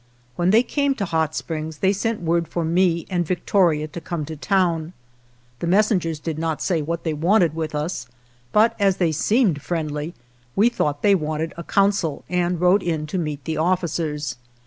When they came to Hot Springs they sent word for me and Victoria to come to town. The messengers did not say what they wanted with us, but as they seemed friendly we thought they wanted a council, and rode in to meet the officers.